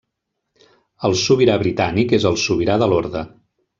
El Sobirà britànic és el Sobirà de l'Orde.